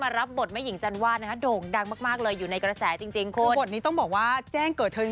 คุณผู้ชมค่ะช่วงนี้อยากจะนั่งพับเพียบคุณผู้ชมค่ะช่วงนี้อยากจะนั่งพับเพียบ